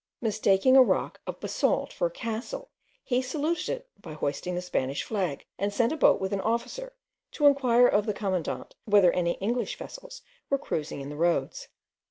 Mistaking a rock of basalt for a castle, he saluted it by hoisting the Spanish flag, and sent a boat with an officer to inquire of the commandant whether any English vessels were cruising in the roads.